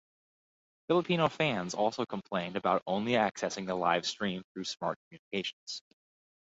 Filipino fans also complained about only accessing the live stream thru Smart Communications.